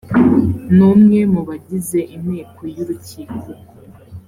n umwe mu bagize inteko y urukiko